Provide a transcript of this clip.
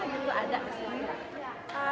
jadi ada semua pisang